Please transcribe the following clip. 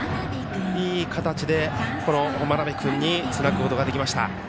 いい形で真鍋君につなぐことができました。